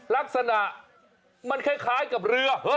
ลักษณะมันคล้ายกับเรือ